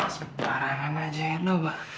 sekarang aja ya